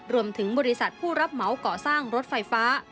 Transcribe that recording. รวมถึงบริษัทผู้รับเหมาก่อสร้างรถไฟฟ้า